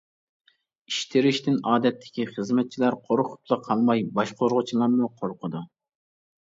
ئىش تېرىشتىن ئادەتتىكى خىزمەتچىلەر قورقۇپلا قالماي، باشقۇرغۇچىلارمۇ قورقىدۇ.